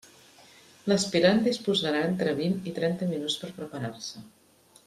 L'aspirant disposarà entre vint i trenta minuts per a preparar-se.